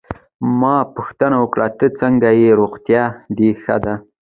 ما پوښتنه وکړه: ته څنګه ېې، روغتیا دي ښه ده؟